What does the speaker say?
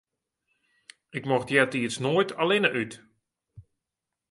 Ik mocht eartiids noait allinne út.